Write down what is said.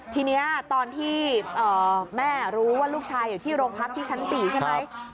ทีนี้ตอนที่แม่รู้ว่าลูกชายอยู่ที่โรงพักที่ชั้น๔ใช่ไหม